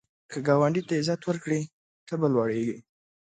که ګاونډي ته عزت ورکړې، ته به لوړیږې